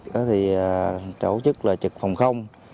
chủ chức là trực phòng không